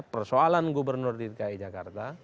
persoalan gubernur dki jakarta